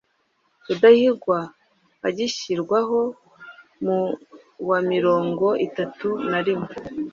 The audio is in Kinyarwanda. Rudahigwa agishyirwaho mu wamirongo itatu na rimwe